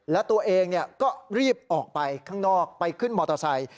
แล้วตัวเองก็รีบออกไปข้างนอกไปขึ้นมอเตอร์ไซค์